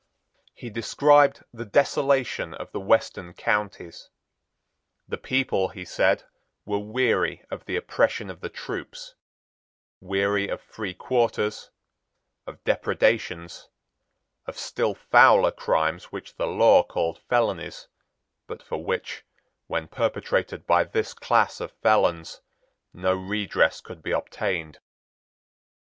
He described the desolation of the western counties. The people, he said, were weary of the oppression of the troops, weary of free quarters, of depredations, of still fouler crimes which the law called felonies, but for which, when perpetrated by this class of felons, no redress could be obtained.